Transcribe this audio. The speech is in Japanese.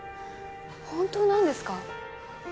本当なんですか？